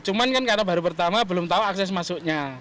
cuman kan karena baru pertama belum tahu akses masuknya